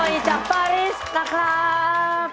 ปล่อยจากปริศน์นะครับ